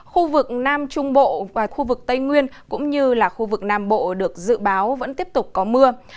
khu vực nam trung bộ và khu vực tây nguyên cũng như là khu vực nam bộ được dự báo vẫn tiếp tục có mưa